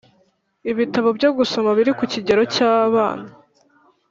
ibitabo byo gusoma biri ku kigero cy’abana,